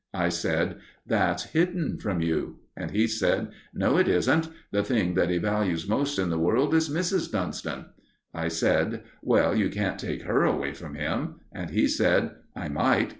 I said: "That's hidden from you." And he said: "No, it isn't: the thing that he values most in the world is Mrs. Dunston." I said: "Well, you can't take her away from him." And he said: "I might.